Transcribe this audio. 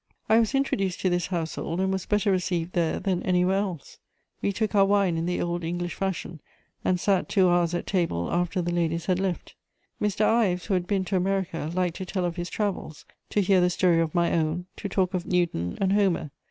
I was introduced to this household, and was better received there than anywhere else. We took our wine in the old English fashion, and sat two hours at table after the ladies had left. Mr. Ives, who had been to America, liked to tell of his travels, to hear the story of my own, to talk of Newton and Homer.